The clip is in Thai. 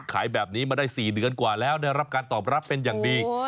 ขายแบบนี้มาได้๔เดือนกว่าแล้วได้รับการตอบรับเป็นอย่างดี